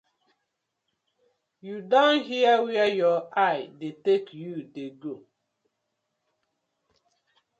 Yu don hear where yur eye dey tak you dey go.